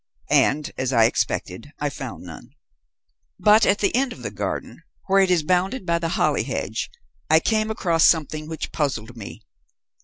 And as I expected, I found none. "But at the end of the garden, where it is bounded by the holly hedge, I came across something which puzzled me.